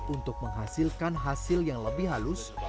untuk menghasilkan hasil yang lebih halus